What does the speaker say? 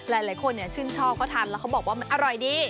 หลายคนชื่นชอบเขาทานแล้วเขาบอกว่ามันอร่อยดี